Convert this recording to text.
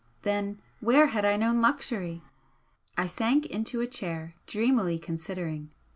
Then where had I known luxury? I sank into a chair, dreamily considering.